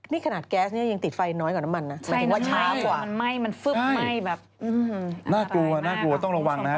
นี่ขนาดแก๊สเนี่ยยังติดไฟน้อยกว่าน้ำมันนะ